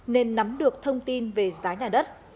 nên nắm được thông tin về giá nhà đất